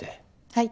はい。